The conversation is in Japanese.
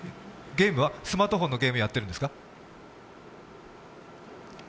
ゲームは、スマートフォンのゲームやってるんですか？